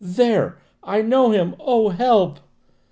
There I know him! Oh, help!"